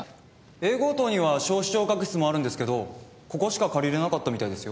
Ａ号棟には小視聴覚室もあるんですけどここしか借りられなかったみたいですよ。